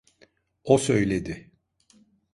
O söyledi.